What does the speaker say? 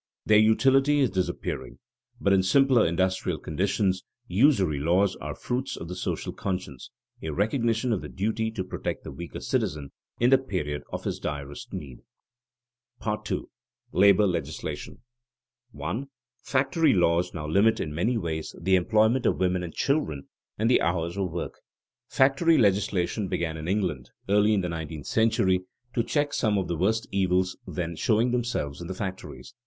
Their utility is disappearing, but in simpler industrial conditions usury laws are fruits of the social conscience, a recognition of the duty to protect the weaker citizen in the period of his direst need. § II. LABOR LEGISLATION [Sidenote: Growth of child labor legislation] 1. Factory laws now limit in many ways the employment of women and children, and the hours of work. Factory legislation began in England, early in the nineteenth century, to check some of the worst evils then showing themselves in the factories.